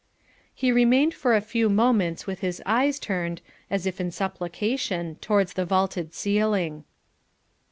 He remained for a few moments with his eyes turned, as if in supplication, towards the vaulted ceiling.